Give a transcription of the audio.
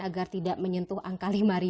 agar tidak menyentuh angka lima